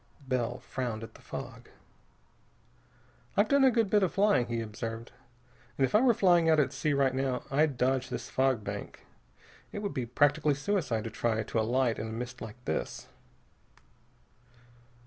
Bell frowned at the fog. "I've done a good bit of flying," he observed, "and if I were flying out at sea right now, I'd dodge this fog bank. It would be practically suicide to try to alight in a mist like this."